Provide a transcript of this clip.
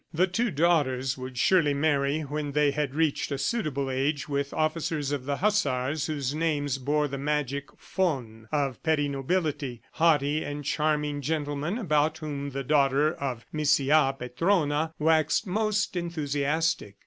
The two daughters would surely marry, when they had reached a suitable age with officers of the Hussars whose names bore the magic "von" of petty nobility, haughty and charming gentlemen about whom the daughter of Misia Petrona waxed most enthusiastic.